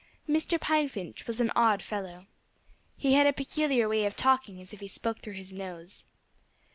Mr. Pine Finch was an odd fellow. He had a peculiar way of talking as if he spoke through his nose.